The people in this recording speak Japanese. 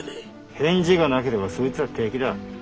返事がなければそいつは敵だ。